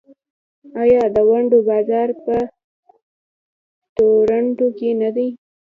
آیا د ونډو بازار په تورنټو کې نه دی؟